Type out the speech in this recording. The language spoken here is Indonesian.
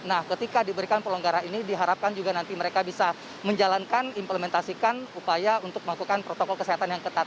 nah ketika diberikan pelonggaran ini diharapkan juga nanti mereka bisa menjalankan implementasikan upaya untuk melakukan protokol kesehatan yang ketat